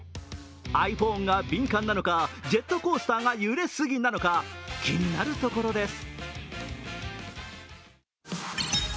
ｉＰｈｏｎｅが敏感なのか、ジェットコースターが揺れすぎなのか、気になるところです。